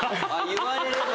言われれば。